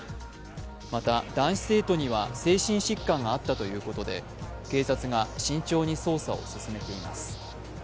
また男子生徒には精神疾患があったということで警察が慎重に捜査を進めています。